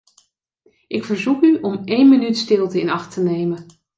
Ik verzoek u om één minuut stilte in acht te nemen.